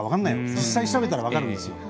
実際、調べたら分かるんですよ。